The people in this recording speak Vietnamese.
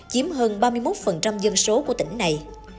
chiếm hơn ba mươi một dân số của tỉnh này